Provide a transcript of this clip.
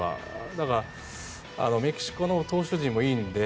だからメキシコの投手陣もいいので。